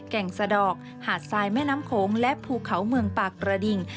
แก่งสะดอกหาดทรายแม่น้ำโขงและภูเขาเมืองปากกระดิ่ง